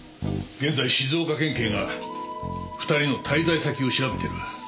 現在静岡県警が２人の滞在先を調べてる。